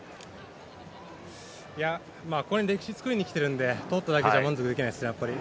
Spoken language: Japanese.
ここに歴史作りに来ているんで、通っただけじゃ満足できないっすね、やっぱり。